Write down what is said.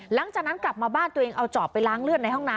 หลังจากนั้นกลับมาบ้านตัวเองเอาจอบไปล้างเลือดในห้องน้ำ